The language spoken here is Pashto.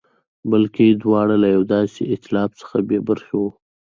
بلکې دواړه له یوه داسې اېتلاف څخه بې برخې وو.